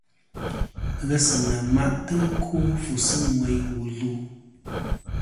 Ghesɨnà ma'tɨ ɨkwo fu sɨ ŋweyn wu lu.